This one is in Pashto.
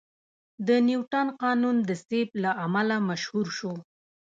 د نیوتن قانون د سیب له امله مشهور شو.